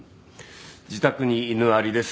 自宅に犬ありです。